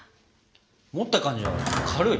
持った感じは軽い！